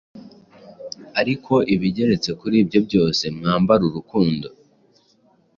Ariko ibigeretse kuri ibyo byose, mwambare urukundo,